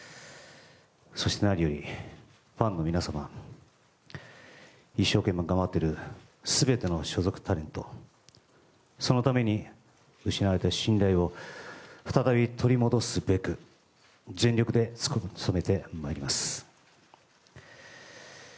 そして何より、ファンの皆様一生懸命頑張っている全ての所属タレントそのために失われた信頼を再び取り戻すべく全力で努めてまいります。